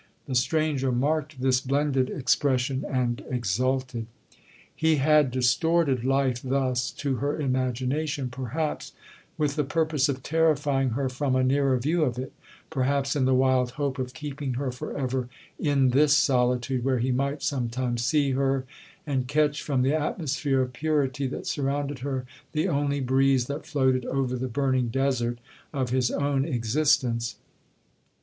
The stranger marked this blended expression, and exulted. 'He had distorted life thus to her imagination, perhaps with the purpose of terrifying her from a nearer view of it; perhaps in the wild hope of keeping her for ever in this solitude, where he might sometimes see her, and catch, from the atmosphere of purity that surrounded her, the only breeze that floated over the burning desert of his own existence.